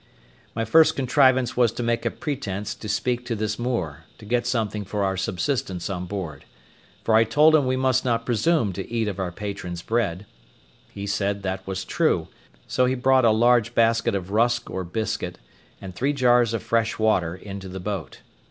My first contrivance was to make a pretence to speak to this Moor, to get something for our subsistence on board; for I told him we must not presume to eat of our patron's bread. He said that was true; so he brought a large basket of rusk or biscuit, and three jars of fresh water, into the boat.